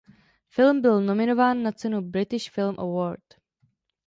Film byl nominován na cenu British Film Award.